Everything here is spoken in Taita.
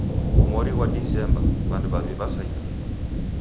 Mori ghwa Disemba, w'andu w'aw'i w'asaghie.